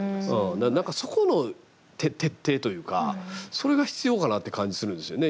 なんか、そこの徹底というかそれが必要かなって感じするんですよね。